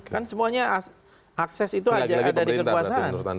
kan semuanya akses itu ada di kekuasaan